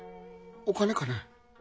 お金かね？